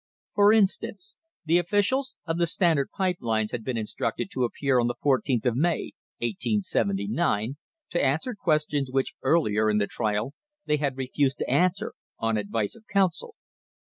For instance, the officials of the Standard pipe lines had been instructed to appear on the 14th of May, 1879, to answer questions which earlier in the trial they had refused to answer "on advice of counsel."